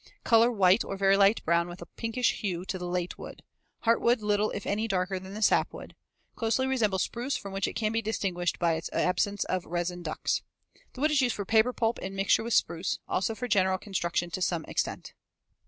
Color white or very light brown with a pinkish hue to the late wood. Heartwood little if any darker than the sapwood. Closely resembles spruce, from which it can be distinguished by its absence of resin ducts. The wood is used for paper pulp in mixture with spruce. Also for general construction to some extent.